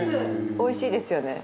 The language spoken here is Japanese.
おいしいですよね。